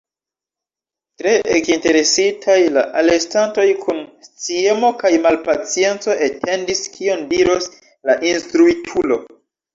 Tre ekinteresitaj, la alestantoj kun sciemo kaj malpacienco atendis, kion diros la instruitulo.